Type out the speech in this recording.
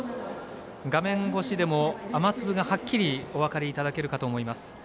画面越しでも雨粒がはっきりお分かりいただけるかと思います。